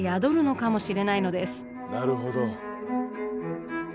なるほど。